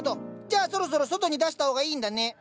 じゃあそろそろ外に出した方がいいんだね。